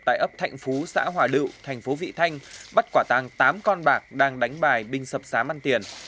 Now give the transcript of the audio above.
tại ấp thạnh phú xã hòa đự tp vị thanh bắt quả tàng tám con bạc đang đánh bài binh sập xá măn tiền